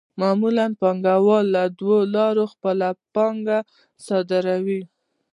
معمولاً پانګوال له دوو لارو خپله پانګه صادروي